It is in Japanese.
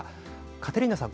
カテリーナさん